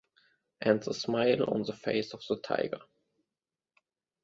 And the smile on the face of the tiger.